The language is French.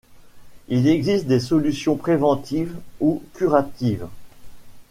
Il existe des solutions préventives ou curatives.